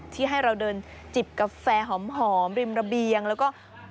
ที่ให้เราเดินจิบกาแฟหอมริมระเบียงแล้วก็